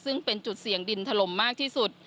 ซึ่งเป็นจุดเสี่ยงดินถล่มมากที่สุด